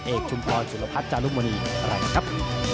เอกชุมพลสุรพัฒน์จารุมณีแหล่งครับ